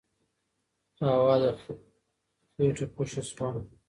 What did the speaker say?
هوا له خېټې خوشې شوه.